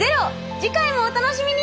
次回もお楽しみに！